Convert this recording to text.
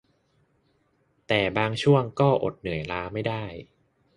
แต่บางช่วงก็จะอดเหนื่อยล้าไม่ได้